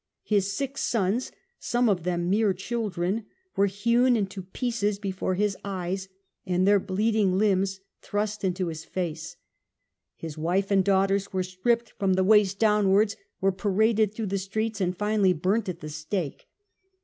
His six sons, some of them mere children, were hewn into pieces before his eyes and their bleeding limbs thrust into his STUPOR MUNDI 287 face. His wife and daughters were stripped from the waist downwards, were paraded through the streets and finally burnt at the stake.